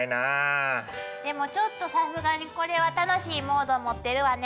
でもちょっとさすがにこれは楽しいモード持ってるわね。